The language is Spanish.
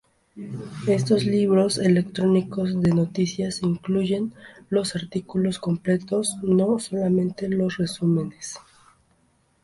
Estos libros electrónicos de noticias incluyen los artículos completos, no solamente los resúmenes.